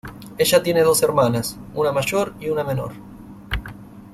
Ella tiene dos hermanas, una mayor y una menor.